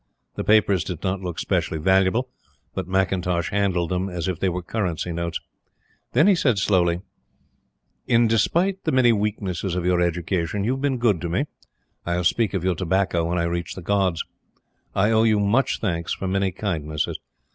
The papers did not look specially valuable; but McIntosh handled them as if they were currency notes. Then he said slowly: "In despite the many weaknesses of your education, you have been good to me. I will speak of your tobacco when I reach the Gods. I owe you much thanks for many kindnesses.